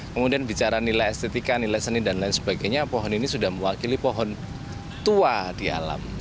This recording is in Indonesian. kemudian bicara nilai estetika nilai seni dan lain sebagainya pohon ini sudah mewakili pohon tua di alam